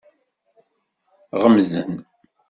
Ɣemzen.